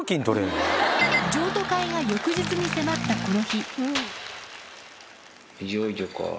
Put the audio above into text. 譲渡会が翌日に迫ったこの日いよいよか。